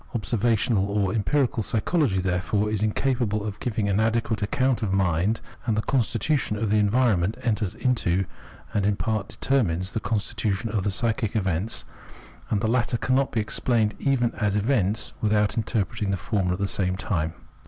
Observational or empirical psychology therefore is incapable of giving an adequate account of mind : the constitution of the environment enters into and in part determines the constitution of the psychic events, and the latter cannot be explained even as events without interpreting the former at the same time.